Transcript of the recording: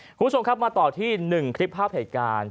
คุณผู้ชมครับมาต่อที่๑คลิปภาพเหตุการณ์